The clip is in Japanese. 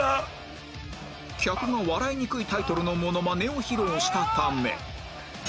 客が笑いにくいタイトルのモノマネを披露したため